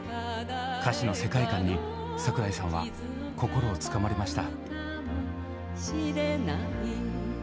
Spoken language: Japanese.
歌詞の世界観に櫻井さんは心をつかまれました。